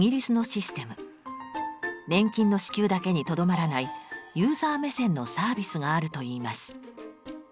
年金の支給だけにとどまらないユーザー目線のサービスがあるといいます。